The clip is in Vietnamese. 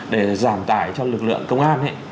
để giảm tải cho lực lượng công an ấy